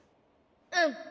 うん。